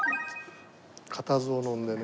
固唾をのんでね。